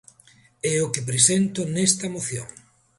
É o que presento nesta moción.